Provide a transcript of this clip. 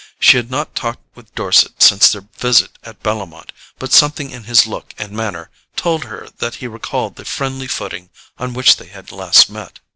She had not talked with Dorset since their visit at Bellomont, but something in his look and manner told her that he recalled the friendly footing on which they had last met.